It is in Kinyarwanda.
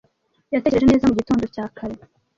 Yatekereje neza, mu gitondo cya kare